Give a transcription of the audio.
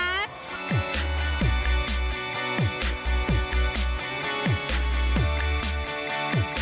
สวัสดีค่ะ